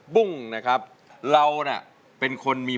ลูกขอรับไว้ผู้เดียว